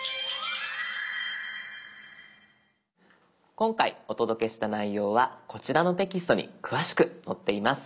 今回お届けした内容はこちらのテキストに詳しく載っています。